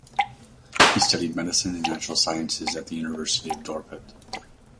He studied medicine and natural sciences at the University of Dorpat.